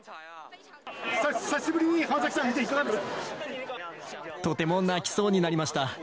久しぶりに浜崎さん見て、とても泣きそうになりました。